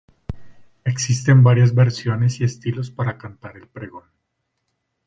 Existen varias versiones y estilos para cantar el pregón.